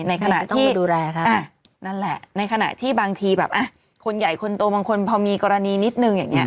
ในขณะที่นั่นแหละในขณะที่บางทีแบบคนใหญ่คนโตบางคนพอมีกรณีนิดนึงอย่างเงี้ย